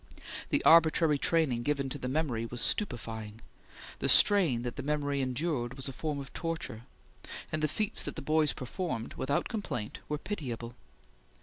The arbitrary training given to the memory was stupefying; the strain that the memory endured was a form of torture; and the feats that the boys performed, without complaint, were pitiable.